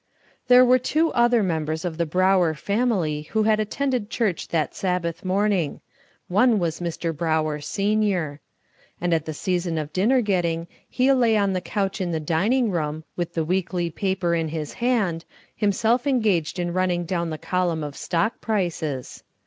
There were two other members of the Brower family who had attended church that Sabbath morning. One was Mr. Brower, sen. And at the season of dinner getting he lay on the couch in the dining room, with the weekly paper in his hand, himself engaged in running down the column of stock prices.